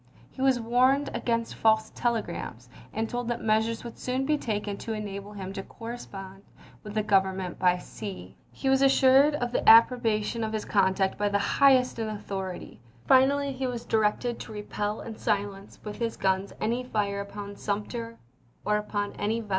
He was warned against false telegrams, and told that measures would soon be taken to enable him to correspond with the Government by sea. He was assured of the approbation of his conduct by the "highest in authority." Fi nally he was directed to repel and silence with Thomas to his guns any fire upon Sumter or upon any ves jan.